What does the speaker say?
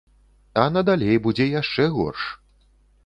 А надалей будзе яшчэ горш.